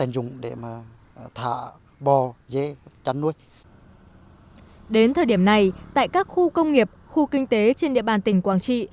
đến thời điểm này tại các khu công nghiệp khu kinh tế trên địa bàn tỉnh quảng trị